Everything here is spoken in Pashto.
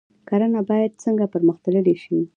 کرنه باید څنګه پرمختللې شي؟